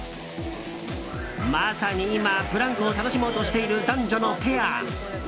まさに今、ブランコを楽しもうとしている男女のペア。